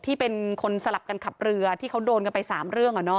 ที่เป็นคนสลับกันขับเรือที่เขาโดนกันไป๓เรื่อง